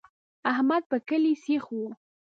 احمد په کلي سیخ وي.